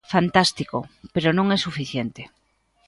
Fantástico, pero non é suficiente.